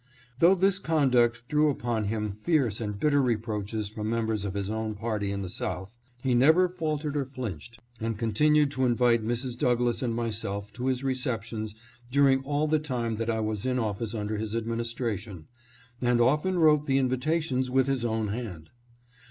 Though this conduct drew upon him fierce and bitter reproaches from members of his own party in the South, he never faltered or flinched, and continued to invite Mrs. Douglass and myself to his receptions during all the time that I was in office under his administration, and often wrote the invitations with his own hand.